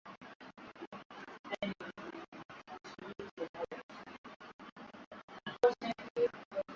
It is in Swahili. Alimwambia Jacob kuwa aende naye hotelini alipofikia wakalale wote usiku ule